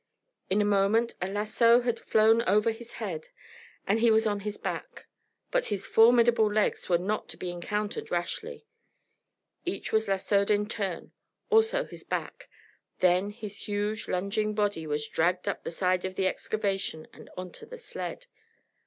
In a moment a lasso had flown over his head and he was on his back. But his formidable legs were not to be encountered rashly. Each was lassoed in turn, also his back; then his huge lunging body was dragged up the side of the excavation and onto the sled.